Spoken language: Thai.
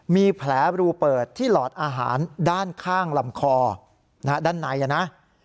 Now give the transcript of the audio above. มีแผลรูเปิดที่หลอดอาหารด้านข้างลำคอด้านในนะ